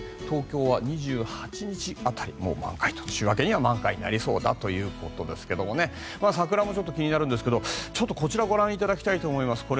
東京は２８日辺りもう満開と週明けには満開になりそうだということですが桜もちょっと気になるんですがこちらご覧いただきたいと思います。